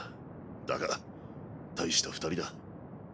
だが大した二人だ。